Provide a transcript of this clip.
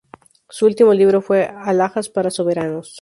Su último libro fue "Alhajas para soberanos.